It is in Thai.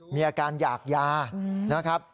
มีอาการหยากยานะครับ